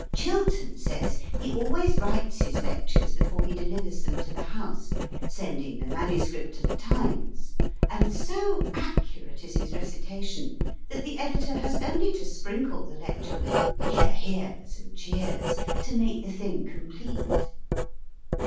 Chiltern says he always writes his lectures before he delivers them to the House, sending the manuscript to the Times, and so accurate is his recitation that the editor has only to sprinkle the lecture with "Hear, hears!" and "Cheers" to make the thing complete.